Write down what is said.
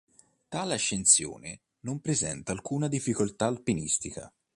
Tale ascensione non presenta alcuna difficoltà alpinistica.